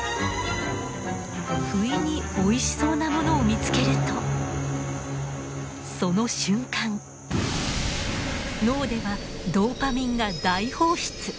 不意においしそうなものを見つけるとその瞬間脳ではドーパミンが大放出。